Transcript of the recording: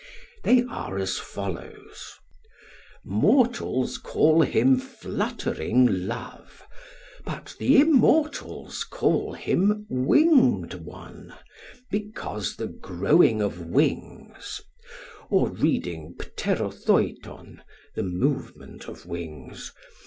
They are as follows: 'Mortals call him fluttering love, But the immortals call him winged one, Because the growing of wings (Or, reading pterothoiton, 'the movement of wings.')